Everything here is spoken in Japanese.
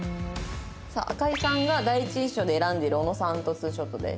さあ赤井さんが第一印象で選んでいる小野さんと２ショットです。